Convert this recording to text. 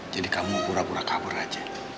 jadi kamu pura pura kabur aja